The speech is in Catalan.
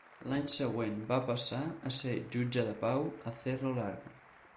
L'any següent va passar a ser jutge de Pau a Cerro Largo.